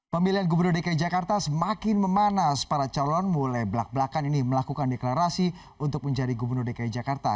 pemilihan gubernur dki jakarta semakin memanas para calon mulai belak belakan ini melakukan deklarasi untuk menjadi gubernur dki jakarta